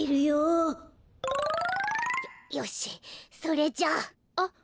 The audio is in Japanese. よよしそれじゃあ。